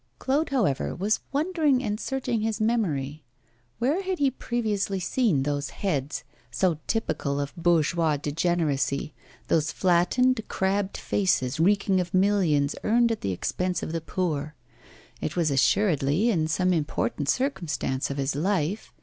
Claude, however, was wondering and searching his memory. Where had he previously seen those heads, so typical of bourgeois degeneracy, those flattened, crabbed faces reeking of millions earned at the expense of the poor? It was assuredly in some important circumstance of his life.